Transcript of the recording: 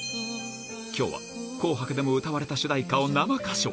きょうは紅白でも歌われた主題歌を生歌唱。